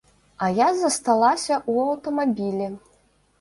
А я засталася ў аўтамабілі.